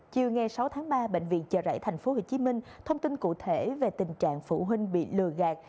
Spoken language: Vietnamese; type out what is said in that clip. chiều ngày sáu tháng ba bệnh viện chợ rẫy tp hcm thông tin cụ thể về tình trạng phụ huynh bị lừa gạt